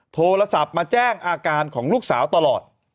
โทรศัพท์มาแจ้งอาการของลูกสาวตลอด